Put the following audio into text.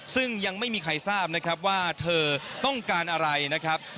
ซึ่งยังไม่มีใครทราบนะครับว่าเธอต้องการอะไรนะครับ